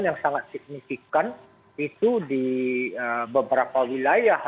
yang sangat signifikan itu di beberapa wilayah